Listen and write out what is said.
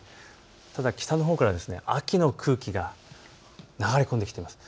ただ北のほうから秋の空気が流れ込んできています。